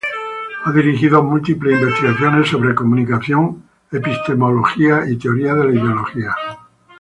Ha dirigido múltiples investigaciones sobre comunicación, epistemología y teoría de la ideología.